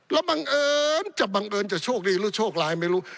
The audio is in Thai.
แล้วบังเอิญจะบังเอิญจะโชคดีหรือโชคร้ายไม่รู้